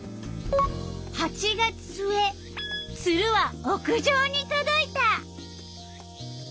ツルは屋上にとどいた。